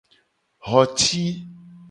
Xo ci.